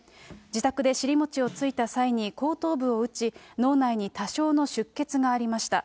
自宅でしりもちをついた際に後頭部を打ち、脳内に多少の出血がありました。